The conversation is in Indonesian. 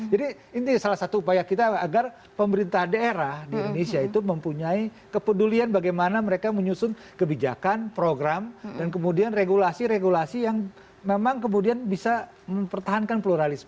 jadi ini salah satu upaya kita agar pemerintah daerah di indonesia itu mempunyai kepedulian bagaimana mereka menyusun kebijakan program dan kemudian regulasi regulasi yang memang kemudian bisa mempertahankan pluralisme